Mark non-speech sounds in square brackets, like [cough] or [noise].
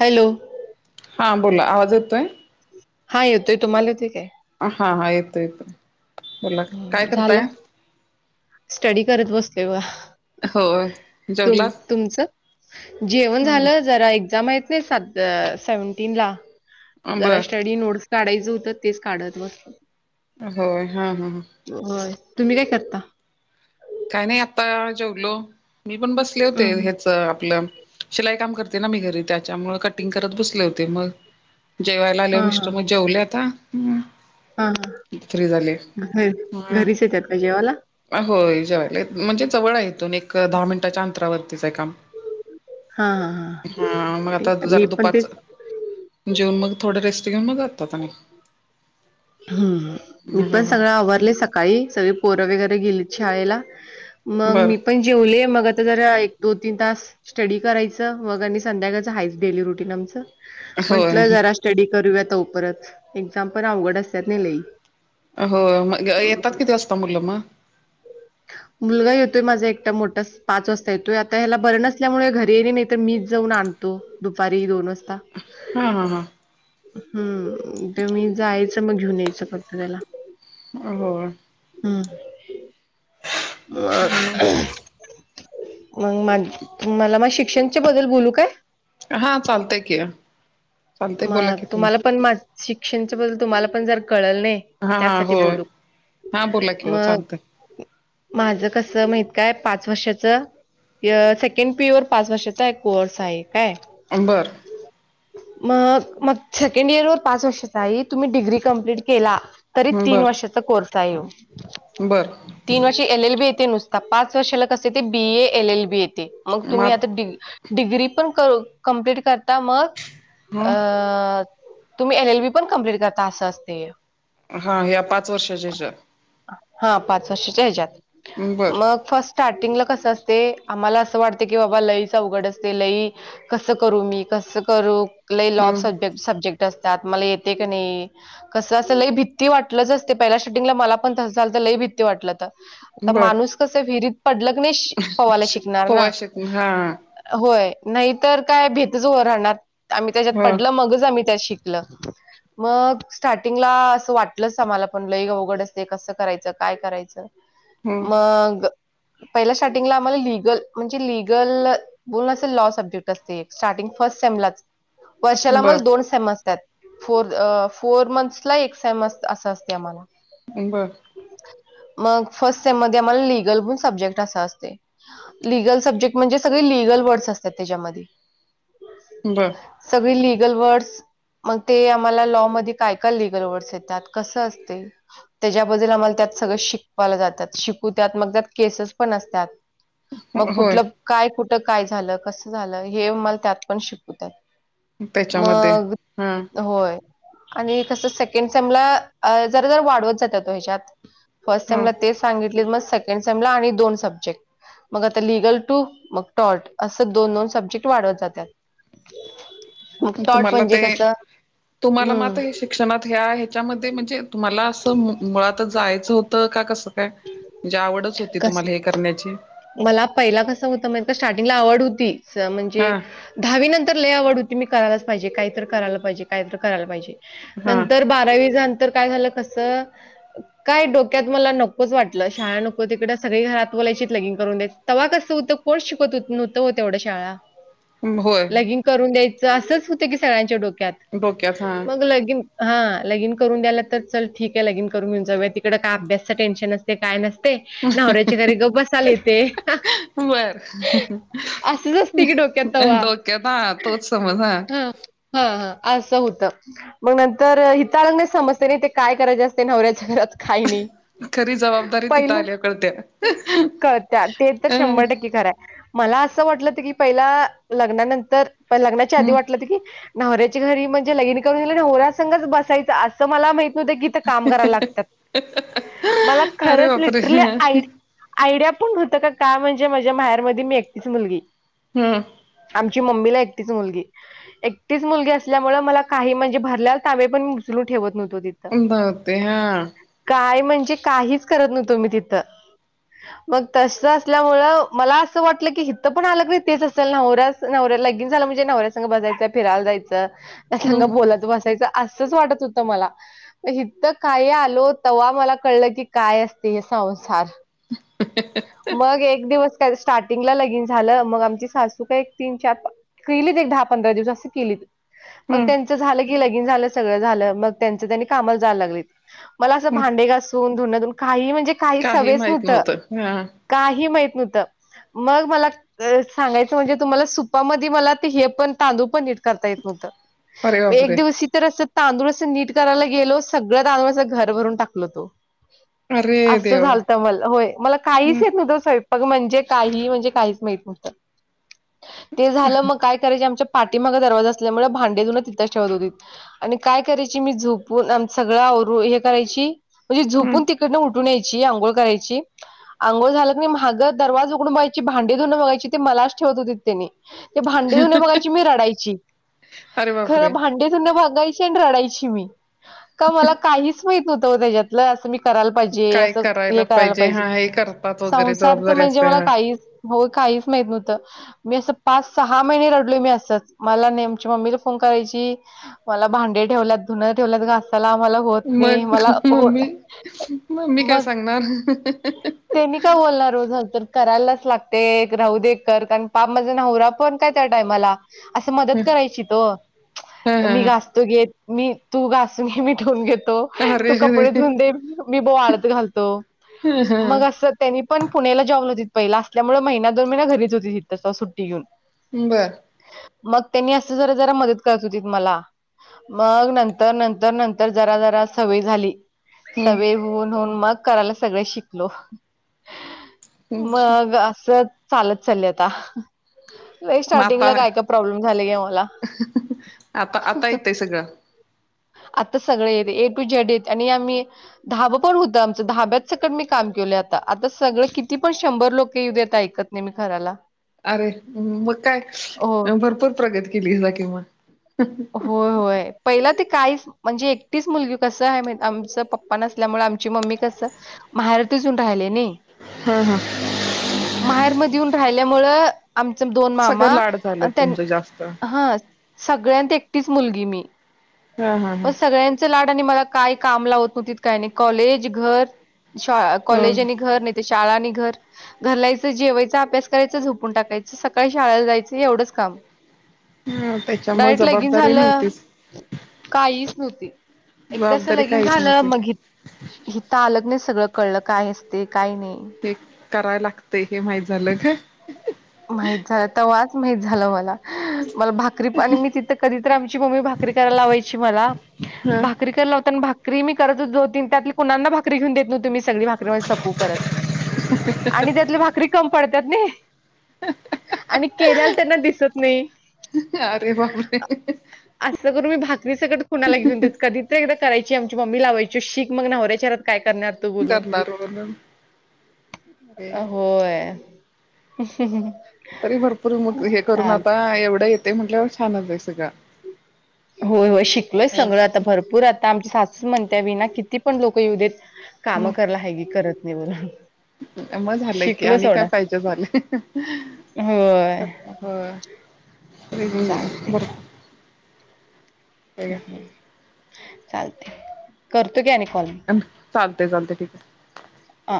Hello हां बोला आवाज द येतो आहे हा येतोय तुम्हाला येतोय काय हा हा येतोय येतोय बोला काय हम्म, झालं करताय स्टडी करत बसले बा होय तु जेवलात तुमचं जेवण झालं जरा एक्झाम आहेत नाही सेव्हन्टीन ला जरा बर स्टडी नोट्स काढायचं होतं तेच काढत बसले होय हा हा होय तुम्ही काय करता काही नाही आता जेवलो मी पण बसले होते हम्म. हेच आपलं शिलाई काम करते ना मी घरी त्याच्यामुळे कटिंग करत बसले होते मग जेवायला आलेवर हा हा मिस्र पण जेवले आता हम हा ह घरीच येतात का जेवाला होय जेवायला म्हणजे जवळ आहे इथून एक दहा मिनिटाच्या अंतरावरतीच आहे काम हा हा हा मग ठीक आता आहे मी जाता पण दुपारच तेच जेऊन मग थोड रेस्ट घेऊन मग जातात आणि हम् मी पण सगळं आवरले सकाळी सगळी पोरं वगैरे गेली शाळेला मग बर मी पण जेवले मग आता जरा एक दोन तीन तास स्टडी करायचं मग आणि संध्याकाळचं आहेच डेली रुटीन आमचं होय म्हंटलं जरा स्टडी करूया तो परत एक्झाम पण अवघड असतात नाही लई हो मग येतात किती वाजता मुलं मग मुलगा येतोय माझा एकट मोठा पाच वाजता येतोय आता ह्याला बर नसल्यामुळे घरी ये ना मी तर मीच जाऊन आणतो दुपारी दोन वाजता हा हा हा हम्म ते मी जायचं मग घेऊन यायचं फक्त त्याला हो हो हम म मग मला मग शिक्षणच्या बद्दल बोलू काय हा चालतय की चालतंय म बोला की तुम्ही तुम्हाला पण म शिक्षणच्या बद्दल तुम्हाला पण जर कळल नाही हा हा त्यासाठी होय बोलू हा बोला की हो चालतंय मग माझं कसं माहित काय पाच वर्षाचं सेकंड पी वर पाच वर्षाचा कोर्स आहे काय बरं मग मग सेकंड इयर वर पाच वर्षाचा आहे तुम्ही डिग्री कंप्लीट केला तरी तीन बर वर्षाचा कोर्स आहे बर तीन वर्षे एल एल बी येथे नुसते पाच वर्षाला कस ते B A L L B येते मग म तुम्ही आता डि डिग्री पण करू कम्प्लीट करता मग ह अ तुम्ही एल एल बी पण कंप्लीट करता असं असते हा या्या पाच वर्षाच्याच्या हा पाच वर्षाच्या ह्याच्यात बर मग फस्ट स्टार्टिंगला कसं असते आम्हाला असं वाटते की बाबा लईच उघड असते लई कसं करू मी कसं करू कु ल लॉ हम्म सबजेक्ट सब्जेक्ट असतात मला येते की नाही कसं असं लय भित्ती वाटलंच असते पहिल्या शूटिंगला मला पण तसं झाल तर लय भित्ती वाटलं तर तर बर माणूस कस विहिरीत पडलग नाही पवायला शिकणार पोवा ना शिक हा होय नाहीतर काय भीेतच हो राहणार आम्ही त्याच्यात हो पडलं मगच आम्ही त्यात शिक ला मग स्टार्टिंगला असं वाटलंच आम्हाला पण लईग अवघडचते कसं करायचं काय करायचं हम्म मग पहि स्टार्टिंगला आम्हाला लिगल म्हणजे लिगल ोलल लॉ सब्जेक्ट असते स्टार्टिंग फर्स्ट सेमलाच वर्षाला म बर दोन सम फ फोर मंथस ला एक सेमस् अस असते आम्हाला मुब मग फर्स्ट सेम मध्ये आम्हाला लिगल पण सब्जेक्ट असा असते लिगल सब्जेक्ट म्हणजे सगळे लिगल वर्ड्स असतात त्याच्यामध्ये बरं सगळी लिगल वर्ड्स मग ते आम्हाला लॉ मध्ये काय काय लिगल वर्डस येतात कसं असते त्याच्याबद्दल आम्हाला त्यात सगळं शिकवायला जातात शिकू त्यात मग त्यात केसेस पण असतात मग होय कुठलं काय कुठ काय झालं कस झालं हे मला त्यात पण शिकवतात त्याच्यामध्ये मग हा होय आणि कसं सेकंड सेमला जरा जर वाढवत जात तो ह्याच्यात फर्स्ट हा सेमला तेच सांगितले मग सेकंड सेम ला आणि दोन सब्जेक्ट मग आता लिगल टू मग टॉर्ट असं दोन दोन सब्जेक्ट वाढवत जातात मग टॉट तुम्हाला म्हणजे ते कसं तुम्हाला मात हं, हे शिक शिक्षणात ह ह्याच्यामध्ये म्हणजे तुम्हाला असं मुळात जायचं होतं का कसं काय म्हणजे आवडच होती कस तुम्हाला हे करण्याची मला पहिला कसं होतं मा का स्टार्टिंगला आवड होती म्हणजे हा दहावी नंतर लय आवड होती मी करायला पाहिजे काही तर करायला पाहिजे काय तर करायला पाहिजे हा नंतर बारावीच्या नंतर काय झालं कस काय डोक्यात मला नको वाटलं शाळा नको तिकडे सगळी घरात बलायची लगिंग करून द्या तवा कस होतं कोस शिकवत हो तेव्या शळा ह लगिन करून द्यायचं असंच होतं की सगळ्यांच्या डोक्यात डोक्यात हा मग लगिन हा लगिन करून द्यायला तर च ठीक आहे लगिन करून घेऊन जाऊया तिकडडे काय अभ्यासच टेन्शन ते काय नसते नवऱ्याच्या घरी ग बसाले ते बर असते की डोक्यात तेव्हा. डोक्यात तोच समजा हा हा असं होतं मग नंतर हिताळंग नाही समजते नाही ते काय करायचे असते नवऱ्याच्या घरात काही नाही खरी जबाबदारी तिथं पहिलं आल्यावर कळत्या कर त्या ते तर अ शंभर टक्के खरां मला असं वाटलंत की पहिला लग्नानंतर लग्नाच्या आधी हम्म. वाटलं होत की नवऱ्याची घरी म्हणजे लगिनी करून ग नवऱ्या सघच बसायचं असं मला माहित न होतं क [inaudible] मला अरे खरंच बापरे लिटरली आ आयडिया पण होतं का का म्हणजे माझ्या माहेरमध्ये मी एकटीच मुलगी हम् आमची मम्मीला एकटीच मुलगी एकटीच मुलगी असल्यामुळे मला काही म्हणजे भरल्याला तांबे पण उचलून ठेवत नव्हतो तिथ होते ह काय म्हणजे काहीच करत नव्हतो मी तिथं मग तसं असल्यामुळेळ मला असं वाटलं की हीत पण आलं की तेच असेल ना नवरा नवऱ्या लगीन झालं म्हणजे नवऱ्यास बसायचं फिरायला जायचं त्या सगा हम्म बोलात बसायचं असंच वाटत होतं मला इिथं काय आलो तवा्हा मला कळलं की काय असते या संसार मग एक दिवस काय स्टार्टिंगला लगीन झालं मग आमची सासू का एक तीन चार केलीत एक दहा पंधरा दिवस असं केली मग हम्म त्यांच झालं की लगिन झालं सगळं झालं मग त्यांच त्यांनी कामाला जायला लागले मला असं हम्म भांडे घासून धुनाधून काही म्हणजे काही सवच नव्हतं हा काही माहत नव्हतं मग मला सांगायचं म्हणजे तुम्हाला सुपामध्ये मला ते हे पण तांदूळ पन नीट करता येत अरे नव्हतं एक बापरे दिवस तर असं तांदूळ असं नीट करायला गेलो सगळं तांदूळ असं घर भरून टाकलो तो अरे असं देवा झालत मला होय मला काहीच हम्म येत ना स्वयंपाक म्हणजे काही म्हणजे काहीच माहत नव्हत ते झालं मग काय करायचे आमच्या पाठी मागा दरवाज असल्यामुळे भांडे देऊन तिथंच ठेवत होती आणि काय करायची मी झोपून आ सगळं हे करायची म्हणजे हम्म झोपून तिकडनं उठून यायची आंघोळ करायची अंोळ झालं क नाही माझं दरवाज उघडून बघायची भांडीधवून बघायची ते मलाच ठेवत होती त्यांनी ते भांडे धुून बघायची मी रडायची अरे खरं बापरे. भांडे धून बघायची ते न रडायची मि का काहीच माहित नव्हत ओ त्याच्यातल करायला पाहिजे असं हे करायला पाहिजे करता संसारच म्हणजे मला काहीच हो काहीच माहत नव्हतं मी असं पाच सहा महिने रडलोय मी असंच मला नेमच्या मम्मीला फोन करायची मला भांडे ठेवल्यात धुनं ठेवल्यात त्याला मला होत नाही मग मला हो मग णार त्यांनी का बोलणारो झाल तर करायलाच लागते राहू देकर कारण पाप माझा नवरा पण काय त्या टायमाला असं मदत हा करायची तो हा मी हा. ग तू घेत मी तू गासून मी ठेवून घेतो तू अरे अरे कपडे धुून दे मी बोवाळत घालतो ह हा मग अस त्यांनी पण पुण्याला जॉब होती पहिला असल्यामुळे महिना दोन महिना घरीच होती तथ तसं सुट्टी घेऊन बर मग त्यांनी असं जरा जरा मदत करत होती मला मग नंतर नंतर नंतर जरा जरा सवय झाली हम्. सगळे होऊन होऊन मग करायला सगळं शिकलो मग असं चालत चाल आता नाही आता स्टार्टिंगला काय का प्रॉब्लेम झाले ग मला आता आता येतय सगळं आता सगळे येत ए टू जेड येत आणि आम्ही धाबं पण होतं आमं ाब्यात सकण मी काम केलं आता आता सगळं किती पण शंभर लोक येऊ्या ऐकत नाही मी खराला अरे मग काय हो भरपूर प्रगत केली जा किमा होय होय पहिला ते काहीच म्हणजे एकटीच मुलगी कसं आहे आमच पप्पा नसल्यामुळे आमची मम्मी कसं माहेरातसून राहिले नाही हा हा माहेरमध्ये येऊन राहिल्यामुळ आमच दोन सगळं मामा लाड झालं त्यां तुमचं जास्त हा सगळ्यात एकटीच मुलगी मी हा हा हा. व सगळ्यात ला मला काय काम लावत न काय कॉलेज घर हो कॉलेज घर ते शाळा आणि घर घरलायचं जेवायचं अभ्यास करायच झोपून टाकायचं सकाळी शाळेला जायचं एवढंच काम ह त्याच्या म डायरेक्ट लगीन जबाबदारी झालं नव्हतीच काहीच नव्हती एकदा अस जबाबदारी लगीन काहीच झालं नव्हती. मगी हिथ आलग नाही सगळं कळलं काय असते काही नाही हे कराय लागतंय हे माह झालं का माहित झालं त वाच माहित झाला मला मला भाकरी आणि मी तिथं कधीत आमची मम्मी भाकरी करायला लावायची मला हा भाकरी कला होता आणि भा क्रमी करतच दो तीन त्यातली कुणाना भाकरी घेऊ देत नव्ह तु मी सगळी भारीमध्ये सपू परत आणि त्यातले भाकरी कम पडतात ना आणि केल्याला त्यांना दिसत नाही अरे बापरे असं करून मी भाकरी सकट कुणाला घेऊन देत कधी एकदा करायची आमची मम्मी लावायची शी मग नवऱ्याच्यारात काय करणार बोलून करणार म्हणून अरे होय ह हम ह तरी भरपूर मग हे करून आता एवढं येते म्हटल्यावर छानत सगळं होय होय शिकलोय सगळ आता हम्म भरपूर आता आमची सासूस म्हणते वि ना किती पण लोक युदेत काम कला ह की करत नाही म्हणून मग झालंय की आणि काय पाहिजे झाले होय हो चालते चालते करतो क्या आणि कॉल चालते चालते ठीक आहे अ